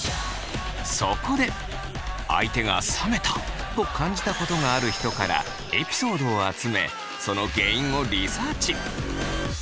そこで相手が冷めた！と感じたことがある人からエピソードを集めその原因をリサーチ。